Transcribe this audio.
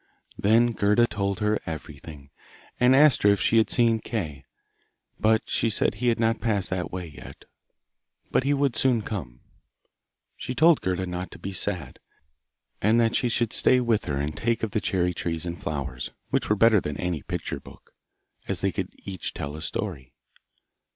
Then Gerda told her everything, and asked her if she had seen Kay. But she said he had not passed that way yet, but he would soon come. She told Gerda not to be sad, and that she should stay with her and take of the cherry trees and flowers, which were better than any picture bok, as they could each tell a story.